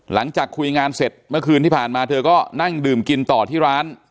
หลังจากคุยงานเสร็จเมื่อคืนที่ผ่านมาเธอก็นั่งดื่มกินต่อที่ร้าน